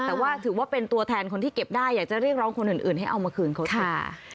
แต่ว่าถือว่าเป็นตัวแทนคนที่เก็บได้อยากจะเรียกร้องคนอื่นให้เอามาคืนเขาค่ะ